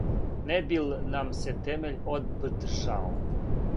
Не би л' нам се темељ обдржао,